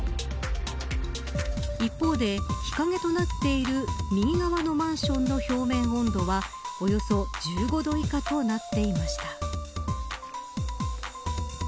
一方で日陰となっている右側のマンションの表面温度はおよそ１５度以下となっていました。